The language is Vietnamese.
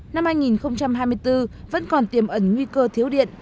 năm hai nghìn hai mươi bốn vẫn còn tiềm ẩn nguy cơ thiếu điện